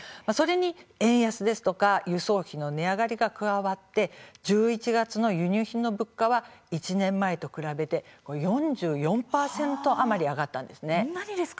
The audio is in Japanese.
それに円安ですとか輸送費の値上がりが加わって１１月の輸入品の物価は１年前と比べて４４％余り上がりました。